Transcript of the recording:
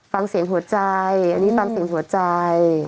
ฟังเสียงหัวใจอันนี้ฟังเสียงหัวใจ